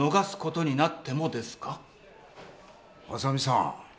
浅見さん。